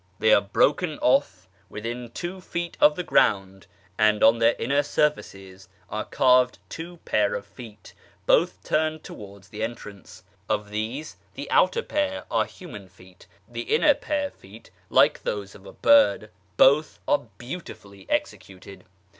They are broken off within two feet of the ground, and on their inner surfaces are carved two pair of feet, both turned towards the entrance. Of these, the outer pair are human 240 A YEAR AMONGST THE PERSIANS feet, the inner pair feet like those of a bird : both are beautifully executed.